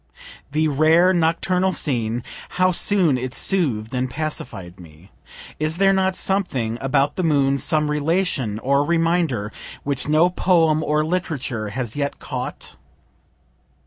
The rare nocturnal scene, how soon it sooth'd and pacified me! Is there not something about the moon, some relation or reminder, which no poem or literature has yet caught?